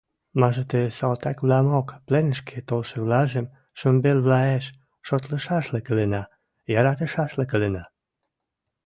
Мӓжӹ тӹ салтаквлӓмок, пленӹшкӹ толшывлӓжӹм, шӱмбелвлӓэш шотлышашлык ылына, яратышашлык ылына...